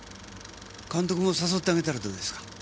監督も誘ってあげたらどうですか？